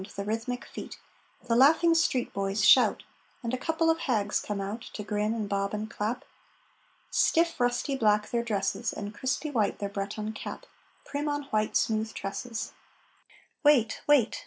the rhythmic feet. The laughing street boys shout, And a couple of hags come out To grin and bob and clap. Stiff rusty black their dresses, And crispy white their Breton cap, Prim on white, smooth tresses. Wait!... Wait!...